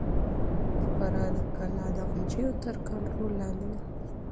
د فراه کلا د غلجيو تر کنټرول لاندې وه.